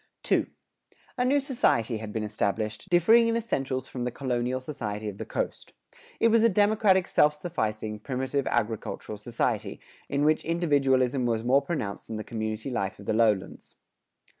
II. A new society had been established, differing in essentials from the colonial society of the coast. It was a democratic self sufficing, primitive agricultural society, in which individualism was more pronounced than the community life of the lowlands.